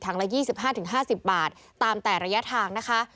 ละ๒๕๕๐บาทตามแต่ระยะทางนะคะ